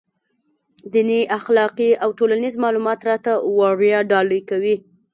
دیني، اخلاقي او ټولنیز معلومات راته وړيا ډالۍ کوي.